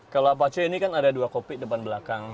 kalau apache ini kan ada dua kopi depan belakang